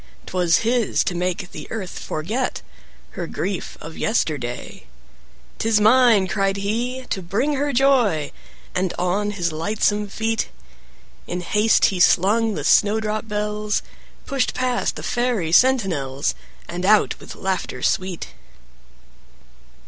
'Twas his to make the Earth forget Her grief of yesterday. "'Tis mine," cried he, "to bring her joy!" And on his lightsome feet In haste he slung the snowdrop bells, Pushed past the Fairy sentinels, And out with laughter sweet.